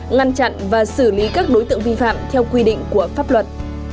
ngăn chặn và xử lý các đối tượng vi phạm theo quy định của pháp luật